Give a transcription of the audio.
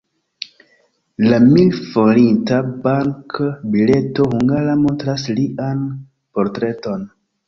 La mil-forinta bank-bileto hungara montras lian portreton.